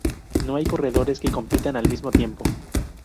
No hay corredores que compitan al mismo tiempo.